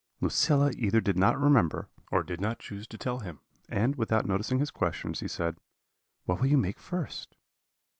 "Lucilla either did not remember, or did not choose to tell him; and, without noticing his questions, she said: "'What will you make first?'